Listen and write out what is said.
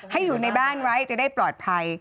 อยู่ในบ้านไว้จะได้ปลอดภัย